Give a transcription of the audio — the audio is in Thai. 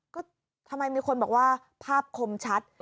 ก็ทำไมมีคนบอกว่าภาพคมชัด